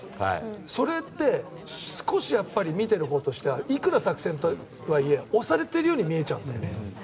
それってやっぱり見てるほうとしてはいくら作戦があるとはいえ押されているように見えちゃうんだよね。